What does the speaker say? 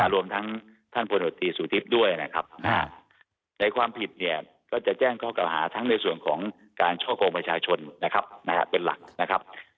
รวมทั้งท่านพลตรีสุทิพย์ด้วยนะครับในความผิดเนี่ยก็จะแจ้งข้อกล่าวหาทั้งในส่วนของการช่อกงประชาชนนะครับเป็นหลักนะครับ